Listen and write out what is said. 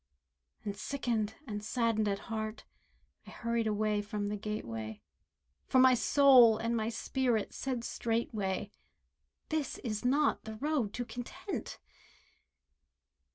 And sickened, and saddened at heart, I hurried away from the gateway, For my soul and my spirit said straightway. "This is not the road to Content."